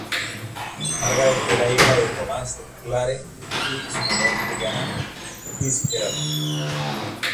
Margaret era hija de Thomas de Clare y su mujer Juliana Fitzgerald.